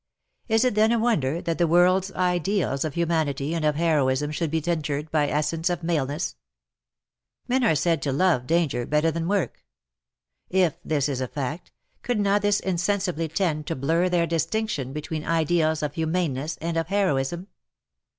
Is it then a wonder that the world's Ideals of humanity and of heroism should be tinctured by essence of maleness ? Men are said to love danger better than work. If this is a fact, would not this in sensibly tend to blur their distinction between Ideals of humaneness and of heroism